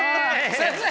先生！